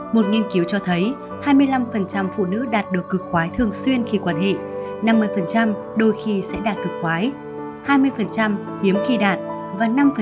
một nghiên cứu cho thấy hai mươi năm phụ nữ đạt được cực khoái thường xuyên khi quan hệ năm mươi đôi khi sẽ đạt cực khoái hai mươi hiếm khi đạt và năm không bao giờ đạt được